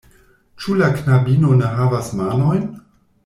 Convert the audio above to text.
Ĉu la knabino ne havas manojn?